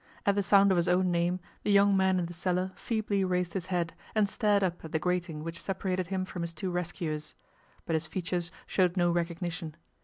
At the sound of his own name the young man in the cellar feebly raised his head and stared up at the grating which separated him from his two rescuers. But his features showed no recognition.